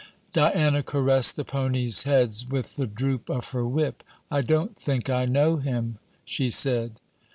Diana caressed the ponies' heads with the droop of her whip: 'I don't think I know him!' she said.